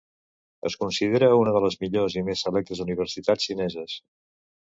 Es considera una de les millors i més selectes universitats xineses.